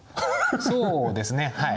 そうですねはい。